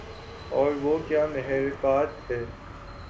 اور وہ کیا محرکات تھے